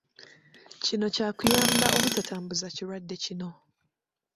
Kino kyakuyamba obutatambuza kirwadde kino.